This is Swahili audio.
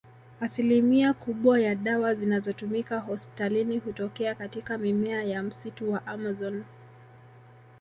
Asilimia kubwa ya dawa zinazotumika hospitalini hutokea katika mimea ya msitu wa Amazon